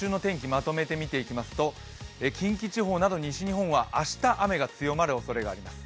まとめて見ていきますと近畿地方など西日本は明日、雨が強まるおそれがあります。